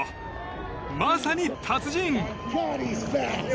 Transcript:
まさに達人！